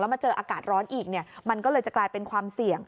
มาเจออากาศร้อนอีกมันก็เลยจะกลายเป็นความเสี่ยง